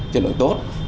chất lượng tốt